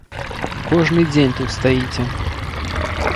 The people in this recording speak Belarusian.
Кожны дзень тут стаіце.